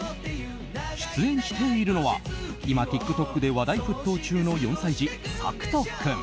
出演しているのは今ＴｉｋＴｏｋで話題沸騰中の４歳児、サクト君。